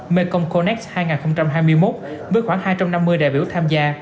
mekong connect hai nghìn hai mươi một với khoảng hai trăm năm mươi đại biểu tham gia